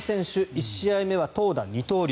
１試合目は投打二刀流。